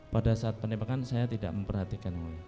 pada saat penembakan saya tidak memperhatikan yang mulia